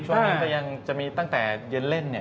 ช่วงนี้ก็ยังจะมีตั้งแต่เยี๋นเล่น